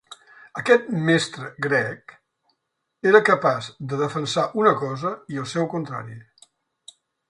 Aquest mestre grec era capaç de defensar una cosa i el seu contrari.